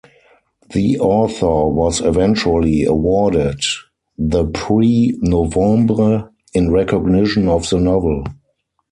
The author was eventually awarded the Prix Novembre in recognition of the novel.